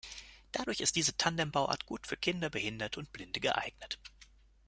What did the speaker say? Dadurch ist diese Tandem-Bauart gut für Kinder, Behinderte und Blinde geeignet.